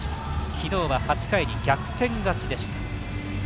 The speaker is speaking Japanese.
昨日は８回に逆転勝ちでした。